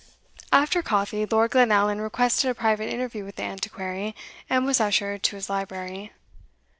After coffee, Lord Glenallan requested a private interview with the Antiquary, and was ushered to his library.